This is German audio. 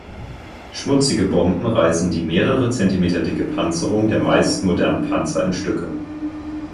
Schmutzige Bomben reißen die mehrere Zentimeter dicke Panzerung der meisten modernen Panzer in Stücke.